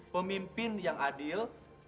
pemimpin yang adil